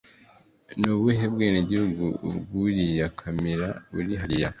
Ni ubuhe bwenegihugu bwuriya kamera uri hariya